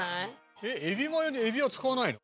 えっエビマヨにエビは使わないの？